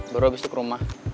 baru habis itu ke rumah